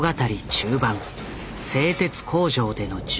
中盤製鉄工場での銃撃戦。